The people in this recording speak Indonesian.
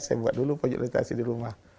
saya buat dulu pojok literasi di rumah